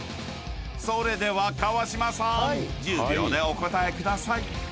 ［それでは川島さん１０秒でお答えください］